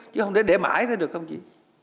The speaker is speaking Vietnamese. chứ không thể để mãi thế được không chị